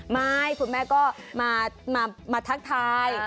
คุณแม่ก็มาทักทาย